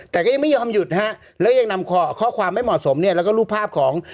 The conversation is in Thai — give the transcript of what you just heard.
แต่ก็ยังไม่ยอมหยุดฮะแล้วยังนำข้อความไม่เหมาะสมเนี่ยแล้วก็รูปภาพของ